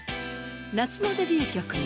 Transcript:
夏のデビュー曲が。